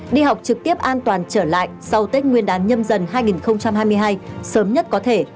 đi học trực tiếp an toàn trở lại sau tết nguyên đán nhâm dần hai nghìn hai mươi hai sớm nhất có thể